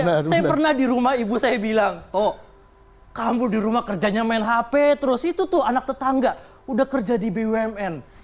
saya pernah di rumah ibu saya bilang toh kamu di rumah kerjanya main hp terus itu tuh anak tetangga udah kerja di bumn